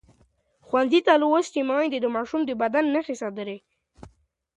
ښوونځې لوستې میندې د ماشومانو د بدن نښې څاري.